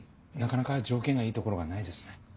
なかなか条件がいいところがないですね。